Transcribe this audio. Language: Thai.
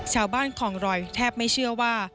ชาวบ้านของร้อยแทบไม่เชื่อว่า